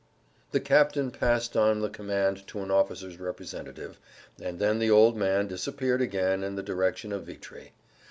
The captain passed on the command to an officer's representative, and then the old man disappeared again in the direction of Vitry.